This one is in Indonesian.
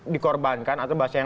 dikorbankan atau bahasanya